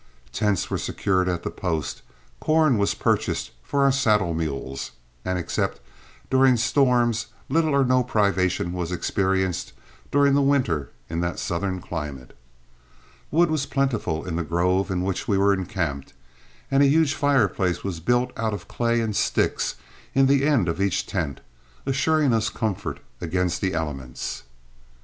Tents were secured at the post; corn was purchased for our saddle mules; and except during storms little or no privation was experienced during the winter in that southern climate. Wood was plentiful in the grove in which we were encamped, and a huge fireplace was built out of clay and sticks in the end of each tent, assuring us comfort against the elements.